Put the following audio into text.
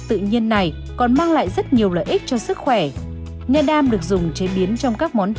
tự nhiên này còn mang lại rất nhiều lợi ích cho sức khỏe nha đam được dùng chế biến trong các món